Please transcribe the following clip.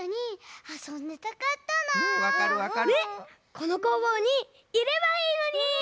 このこうぼうにいればいいのに！